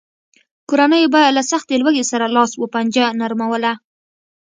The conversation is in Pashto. کورنیو به له سختې لوږې سره لاس و پنجه نرموله.